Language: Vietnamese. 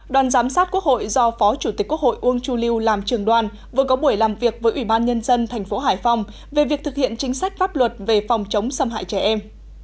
đoàn giám sát quốc hội do phó chủ tịch quốc hội uông chu lưu làm trường đoàn vừa có buổi làm việc với ủy ban nhân dân thành phố hải phòng về việc thực hiện chính sách pháp luật về phòng chống xâm hại trẻ em